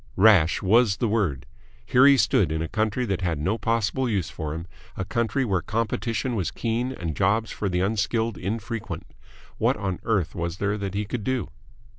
Rash was the word. Here he stood, in a country that had no possible use for him, a country where competition was keen and jobs for the unskilled infrequent. What on earth was there that he could do?